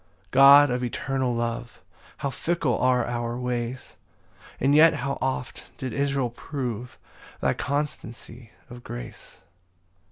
1 God of eternal love, How fickle are our ways! And yet how oft did Israel prove Thy constancy of grace!